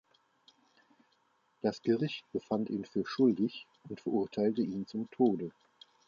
Das Gericht befand ihn für schuldig und verurteilte ihn zum Tode.